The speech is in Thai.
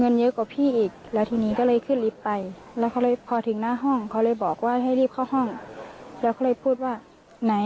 เออห้องพักนี่เป็นห้องพักของใครค่ะ